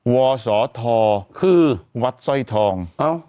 ว่าสอทอคือวัดสร้อยทอง